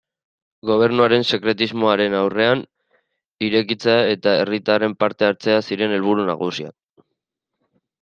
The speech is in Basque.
Gobernuaren sekretismoaren aurrean, irekitzea eta herritarren parte-hartzea ziren helburu nagusiak.